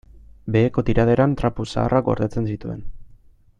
Beheko tiraderan trapu zaharrak gordetzen zituen.